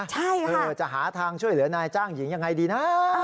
ใช่ค่ะจะหาทางช่วยเหลือนายจ้างหญิงยังไงดีนะ